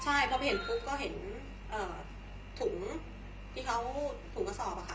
ใช่พอไปเห็นปุ๊บก็เห็นถุงที่เขาถุงกระสอบอะค่ะ